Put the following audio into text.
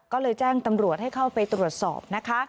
ก็เลยแจ้งตำรวจให้เข้าไปตรวจสอบนะคะ